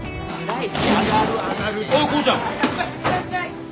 はい。